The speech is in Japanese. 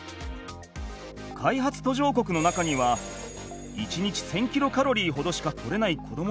開発途上国の中には１日１，０００キロカロリーほどしか取れない子どもたちもいる。